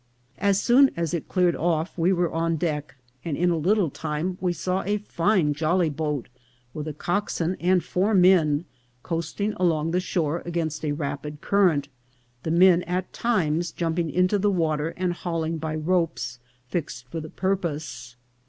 As soon as it cleared off we were on deck, and in a little time we saw a fine jolly boat, with a cockswain and four men, coasting along the shore against a rapid current, the men at times jumping into the water, and hauling by ropes fixed for the purpose.